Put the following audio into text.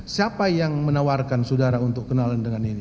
siapa yang menawarkan saudara untuk kenalan dengan ini